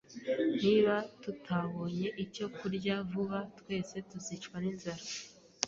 Niba tutabonye icyo kurya vuba, twese tuzicwa ninzara